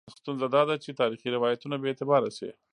ستونزه دا ده چې تاریخي روایتونه بې اعتباره شي.